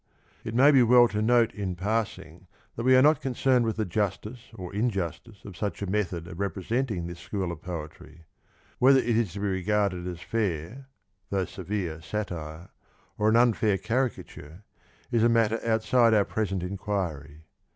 It may be well to note in passing that we are not concerned with the justice or injustice of such a method of representing this school of poetry. Whether it is to be regarded as a fair, though severe satire, or an unfair caricature, is a matter outside our present enquiry.